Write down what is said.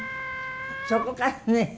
そこからね